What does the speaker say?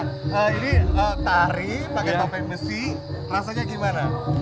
nah ini tari pakai topeng besi rasanya gimana